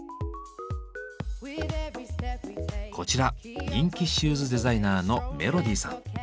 こちら人気シューズデザイナーのメロディさん。